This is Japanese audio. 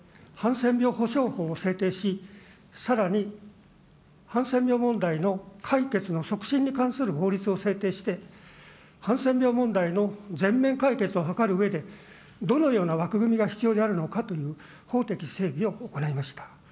議員立法によってハンセン病補償法をさらにハンセン病問題の解決の促進に関する法律を制定して、ハンセン病問題の全面解決を図るうえで、どのような枠組みが必要であるのかという法的整備を行いました。